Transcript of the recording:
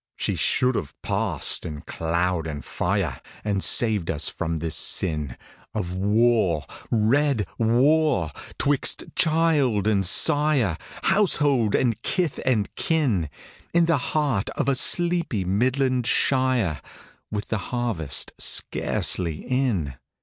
She should have passed in cloud and fire And saved us from this sin Of war — red Avar — 'twixt child and sire, Household and kith and kin, In the heart of a sleepy Midland shire, With the harvest scarcely in.